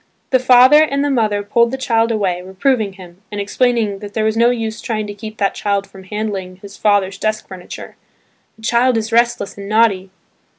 The father and the mother pulled the child away, reproving him, and explaining that there was no use trying to keep that child from handling his father's desk furniture, "The child is restless and naughty."